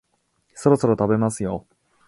そろそろ食べますよ